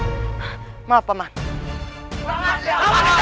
itu anak yang menabraknya